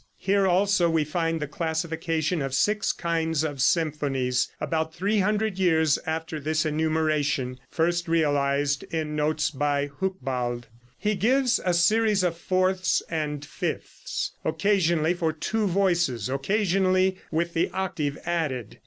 Here also we find the classification of six kinds of symphonies, about 300 years after this enumeration, first realized in notes by Hucbald. He gives a series of fourths and of fifths, occasionally for two voices, occasionally with the octave added.